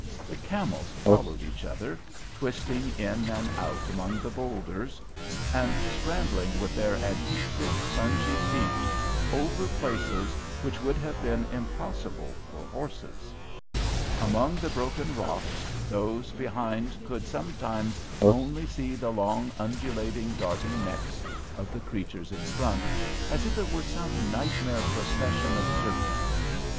The camels followed each other, twisting in and out among the boulders, and scrambling with their adhesive, spongy feet over places which would have been impossible for horses. Among the broken rocks those behind could sometimes only see the long, undulating, darting necks of the creatures in front, as if it were some nightmare procession of serpents.